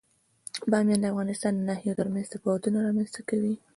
بامیان د افغانستان د ناحیو ترمنځ تفاوتونه رامنځ ته کوي.